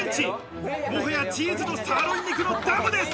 もはや、チーズのサーロイン肉のダムです。